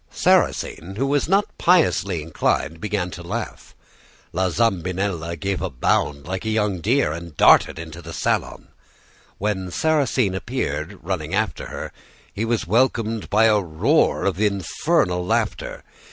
"Sarrasine, who was not piously inclined, began to laugh. La Zambinella gave a bound like a young deer, and darted into the salon. When Sarrasine appeared, running after her, he was welcomed by a roar of infernal laughter.